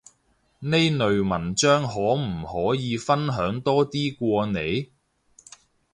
呢類文章可唔可以分享多啲過嚟？